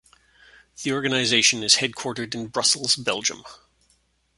The Organization is headquartered in Brussels, Belgium.